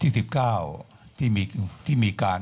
ขอบพระคุณนะครับ